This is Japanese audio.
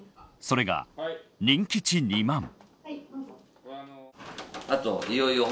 それが人気値２万。